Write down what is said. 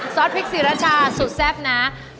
ซอสพริกศรีราชาสุดแซ่บนะ